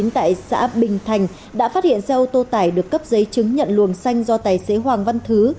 tại xã bình thành đã phát hiện xe ô tô tải được cấp giấy chứng nhận luồng xanh do tài xế hoàng văn thứ